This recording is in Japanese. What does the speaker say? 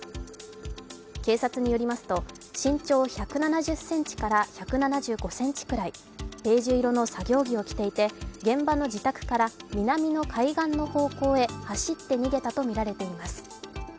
警察によりますと身長１７０ｃｍから１７５ｃｍくらい、ベージュ色の作業着を着ていて現場の自宅から南の海岸の方向へ走って逃げたとみられています。